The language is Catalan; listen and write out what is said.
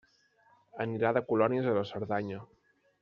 Anirà de colònies a la Cerdanya.